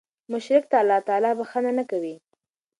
مشرک ته الله تعالی بخښنه نه کوي